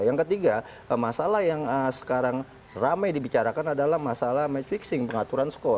yang ketiga masalah yang sekarang ramai dibicarakan adalah masalah match fixing pengaturan skor